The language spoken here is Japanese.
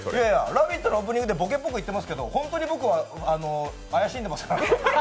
「ラヴィット！」のオープニングでボケっぽく言ってますけど本当に僕は怪しんでますからね。